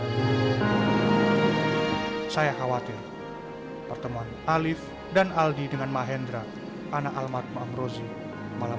hai saya khawatir pertemuan alif dan aldi dengan mahendra anak almatma amrozi malah